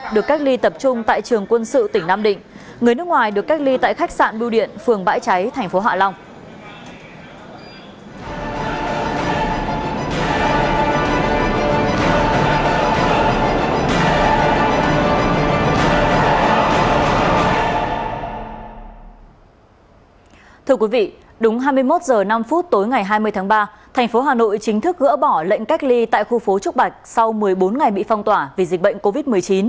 đúng hai mươi một h năm tối ngày hai mươi tháng ba thành phố hà nội chính thức gỡ bỏ lệnh cách ly tại khu phố trúc bạch sau một mươi bốn ngày bị phong tỏa vì dịch bệnh covid một mươi chín